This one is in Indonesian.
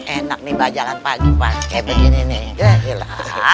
enak nih bajalan pagi pakai begini nih gila